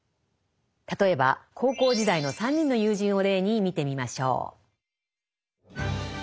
例えば高校時代の３人の友人を例に見てみましょう。